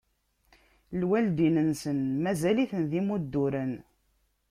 Lwaldin-nsen mazal-iten d imudduren.